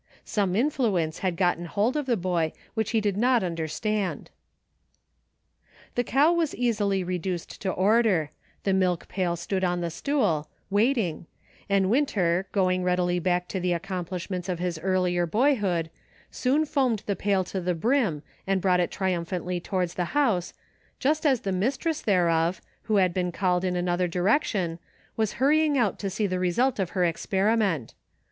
Some influence had gotten hold of the boy which he did not under stand. 64 SOME HALF WAY THINKING. The cow was easily reduced to order ; the milk pail stood on the stool, waiting, and Winter, going readily back to the accomplishments of his earlier boyhood, soon foamed the pail to the brim and brought it triumphantly towards the house, just as the mistress thereof, who had been called in another direction, was hurrying out to see the re sult of her experiment.